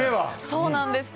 そうなんです。